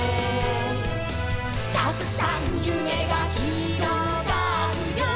「たくさんゆめがひろがるよ」